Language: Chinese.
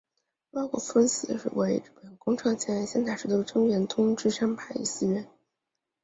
陆奥国分寺是位在日本宫城县仙台市的真言宗智山派寺院。